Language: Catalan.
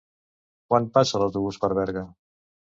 Quan passa l'autobús per Berga?